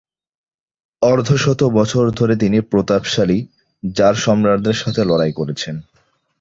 অর্ধশত বছর ধরে তিনি প্রতাপশালী জার সম্রাটদের সাথে লড়াই করেছেন।